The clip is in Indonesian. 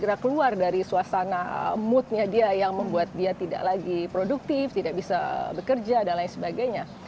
tidak keluar dari suasana moodnya dia yang membuat dia tidak lagi produktif tidak bisa bekerja dan lain sebagainya